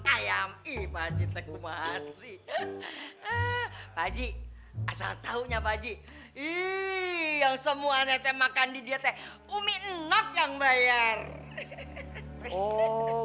ayam imajit mahasiswa baji asal tahunya baji iya semua nete makan di diet umi enak yang bayar oh